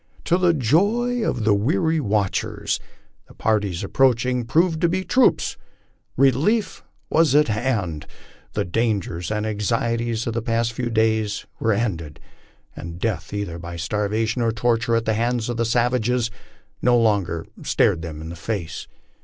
To the joy of the weary watchers, the parties approaching proved to be troops; relief was at hand, the dangers and anxieties of the past few days were ended, and death either by starvation or torture at the hands of the savages no longer stared them in the face.